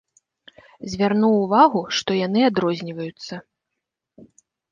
Звярнуў увагу, што яны адрозніваюцца.